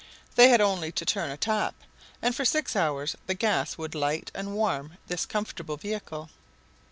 They had only to turn a tap, and for six hours the gas would light and warm this comfortable vehicle.